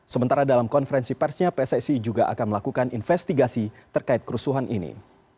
sementara dalam konferensi persnya pssi juga akan melakukan investigasi terkait kerusuhan ini